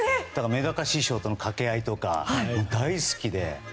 めだか師匠との掛け合いとか大好きで。